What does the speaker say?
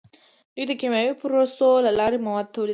دوی د کیمیاوي پروسو له لارې مواد تولیدوي.